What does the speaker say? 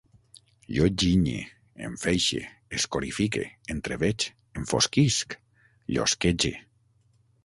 Jo ginye, enfeixe, escorifique, entreveig, enfosquisc, llosquege